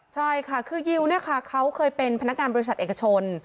ใช่ค่ะคือยิวเนี่ยค่ะเขาเคยเป็นพนักงานบริษัทเอกชน